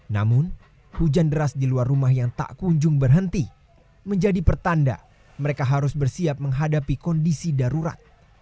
namun hujan deras di luar rumah yang tak kunjung berhenti menjadi pertanda mereka harus bersiap menghadapi kondisi darurat